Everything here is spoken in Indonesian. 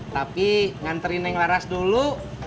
tapi nganterin yang laras dulu